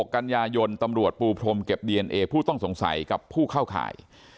กันยายนตำรวจปูพรมเก็บดีเอนเอผู้ต้องสงสัยกับผู้เข้าข่าย